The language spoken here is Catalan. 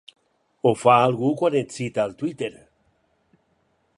Ho fa algú quan et cita al Twitter.